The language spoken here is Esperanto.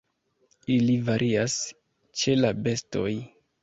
Ili varias ĉe la bestoj.